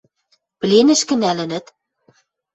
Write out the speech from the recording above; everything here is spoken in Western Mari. – Пленӹшкӹ нӓлӹнӹт?